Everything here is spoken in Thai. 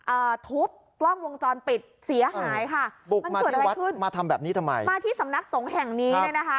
อ่าทุบกล้องวงจรปิดเสียหายค่ะบุกมาถึงวัดขึ้นมาทำแบบนี้ทำไมมาที่สำนักสงฆ์แห่งนี้เนี่ยนะคะ